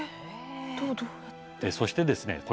そしてですね